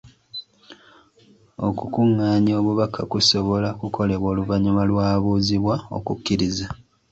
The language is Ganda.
Okukungaanya obubaka kusobola kukolebwa oluvannyuma lw'abuuzibwa okukkiriza.